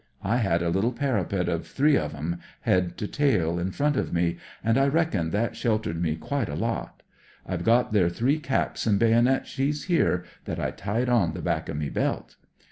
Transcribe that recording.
I had a little parapet of three of 'em, head to tail, in front of me, and I reckon that sheltered me quite a lot. I've got their three caps and baynit sheaths here, that I tied on the back of me belt.